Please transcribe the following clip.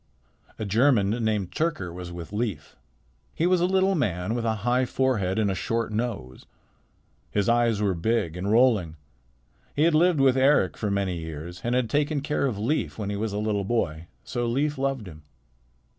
A German, named Tyrker, was with Leif. He was a little man with a high forehead and a short nose. His eyes were big and rolling. He had lived with Eric for many years, and had taken care of Leif when he was a little boy. So Leif loved him.